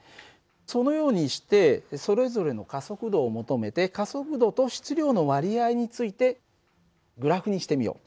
そのようにしてそれぞれの加速度を求めて加速度と質量の割合についてグラフにしてみよう。